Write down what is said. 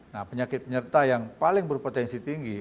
nah penyakit penyerta yang paling berpotensi tinggi